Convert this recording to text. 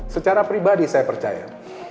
secara pribadi saya percaya